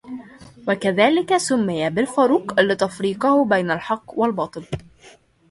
وكذلك سمى “بالفاروق” لتفريقه بين الحق والباطل.